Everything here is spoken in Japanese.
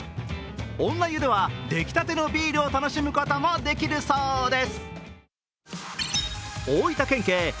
女湯では出来たてのビールを楽しむこともできるそうです。